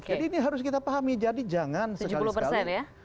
jadi ini harus kita pahami jadi jangan sekali sekali